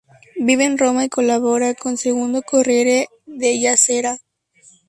Vive en Roma y colabora con Il Corriere della Sera.